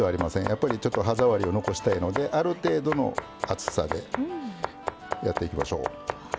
やっぱりちょっと歯触りを残したいのである程度の厚さでやっていきましょう。